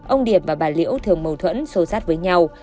ông điểm và bà liễu thường mâu thuẫn xô xát với nhau